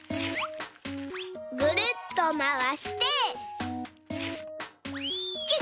グルッとまわしてキュッ！